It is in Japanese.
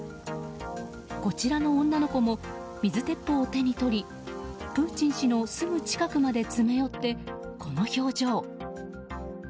こちらの女の子も水鉄砲を手に取りプーチン氏のすぐ近くまで詰め寄って、この表情。